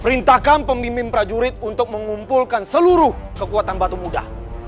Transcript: perintahkan pemimpin prajurit untuk mengumpulkan seluruh kekuatan batu muda